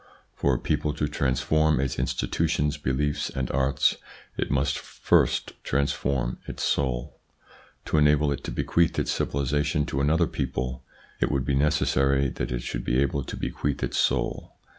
For a people to transform its institutions, beliefs, and arts it must first transform its soul ; to enable it to bequeath its civilisation to another people, it would be neces sary that it should be able to bequeath its soul.